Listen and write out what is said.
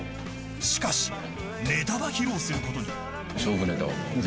しかし、ネタは披露することに。